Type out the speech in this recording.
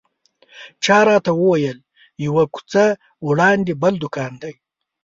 چا راته وویل یوه کوڅه وړاندې بل دوکان دی.